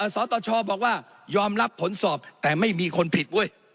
สตชบอกว่ายอมรับผลสอบแต่ไม่มีคนผิดเว้ย